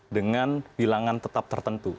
dengan bilangan tetap tertentu